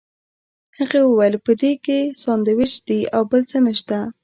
هغه وویل په دې کې ساندوېچ دي او بل څه نشته.